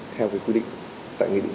thì cũng sẽ bị xử phạt hành chính